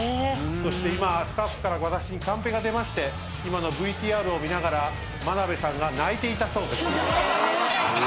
そして今スタッフから私にカンペが出まして今のＶＴＲを見ながら眞鍋さんが泣いていたそうです。